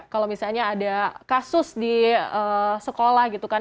kalau misalnya ada kasus di sekolah gitu kan